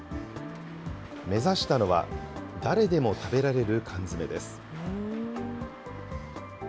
目指したのは、誰でも食べられる缶詰です。